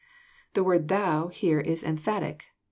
The word " thou " here is emphatic.